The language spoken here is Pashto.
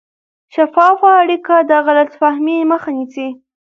شفافه اړیکه د غلط فهمۍ مخه نیسي.